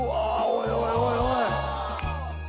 おいおいおいおい！